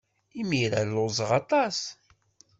Imir-a lluẓeɣ aṭas.